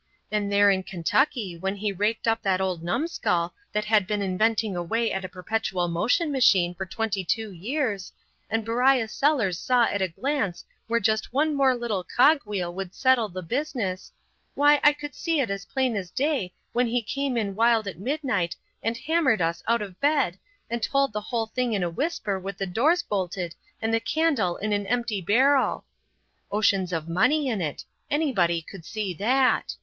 And there in Kentucky, when he raked up that old numskull that had been inventing away at a perpetual motion machine for twenty two years, and Beriah Sellers saw at a glance where just one more little cog wheel would settle the business, why I could see it as plain as day when he came in wild at midnight and hammered us out of bed and told the whole thing in a whisper with the doors bolted and the candle in an empty barrel. Oceans of money in it anybody could see that.